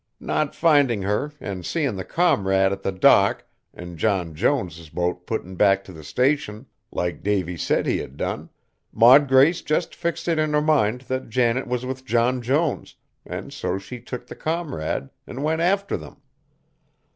Not findin' her, an' seein' the Comrade at the dock an' John Jones's boat puttin' back t' the Station, like Davy said he had done, Maud Grace just fixed it in her mind that Janet was with John Jones, an' so she took the Comrade an' went after them.